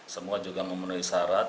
semua juga memenuhi syarat